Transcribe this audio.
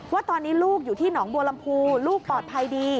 ว่าตอนนี้ลูกอยู่ที่หนองบัวลำพูลูกปลอดภัยดี